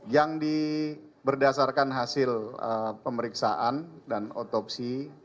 yang diberdasarkan hasil pemeriksaan dan otopsi